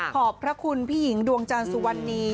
ขอบพระคุณพี่หญิงดวงจันทร์สุวรรณี